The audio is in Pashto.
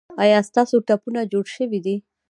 ایا ستاسو ټپونه جوړ شوي دي؟